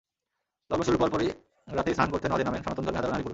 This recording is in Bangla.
লগ্ন শুরুর পরপরই রাতেই স্নান করতে নদে নামেন সনাতনধর্মী হাজারো নারী-পুরুষ।